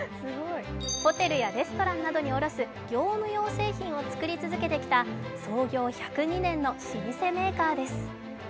ホテルやレストランなどに卸す業務用製品を作り続けてきた創業１０２年の老舗メーカーです。